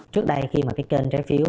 trước đây khi mà cái kênh trái phiếu